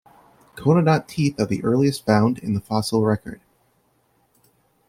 Conodont teeth are the earliest found in the fossil record.